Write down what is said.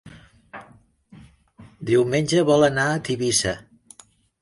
Diumenge vol anar a Tivissa.